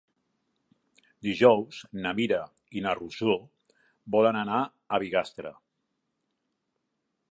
Dijous na Mira i na Rosó volen anar a Bigastre.